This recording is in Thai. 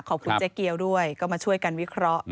เจ๊เกียวด้วยก็มาช่วยกันวิเคราะห์